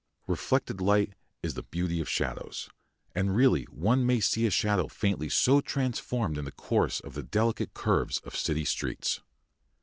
Reflected light is the beauty of shadows, and really one may see a shadow faintly so transformed in the course of the delicate curves of City streets.